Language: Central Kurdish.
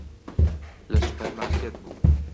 لە سوپەرمارکێت بوو.